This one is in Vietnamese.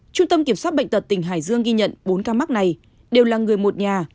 trung tâm kiểm soát bệnh tật tỉnh hải dương ghi nhận bốn ca mắc này đều là người một nhà